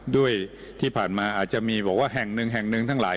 โดยที่ผ่านมาจะมีแห่งหนึ่งแห่งหนึ่งทั้งหลาย